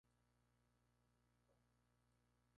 No es de acceso público.